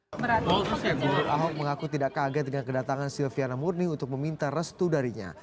gubernur ahok mengaku tidak kaget dengan kedatangan silviana murni untuk meminta restu darinya